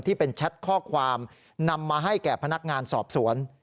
ที่เป็นแชทข้อความนำมาให้แก่พนักงานสอบสวน